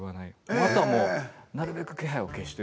あとはなるべく気配を消して。